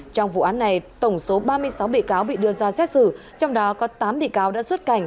trong vụ án này tổng số ba mươi sáu bị cáo bị đưa ra xét xử trong đó có tám bị cáo đã xuất cảnh